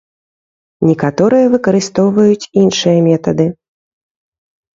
Некаторыя выкарыстоўваюць іншыя метады.